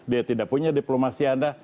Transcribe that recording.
dia tidak punya diplomasi anda